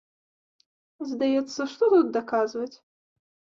Здаецца, што тут даказваць?